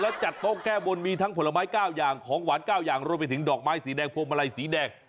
แล้วจัดโต๊ะแก้บนมีทั้งผลไม้๙อย่างของหวาน๙อย่างรวมไปถึงดอกไม้สีแดงพวงมาลัยสีแดง